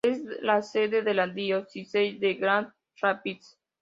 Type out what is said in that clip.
Es la sede de la Diócesis de Grand Rapids.